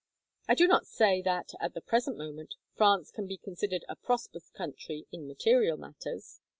I do not say that, at the present moment, France can be considered a prosperous country in material matters.